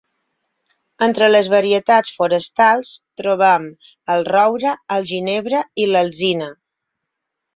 Entre les varietats forestals trobem el roure, el ginebre i l'alzina.